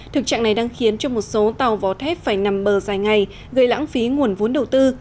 thực trạng này đang khiến cho một số tàu vỏ thép phải nằm bờ dài ngày gây lãng phí nguồn vốn đầu tư